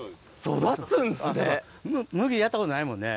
麦やったことないもんね。